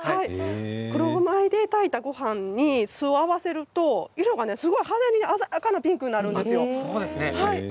黒米で炊いたごはんに酢を合わせると色がすごい派手に鮮やかなピンクになるんですよ。